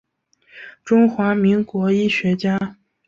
中华民国医学家。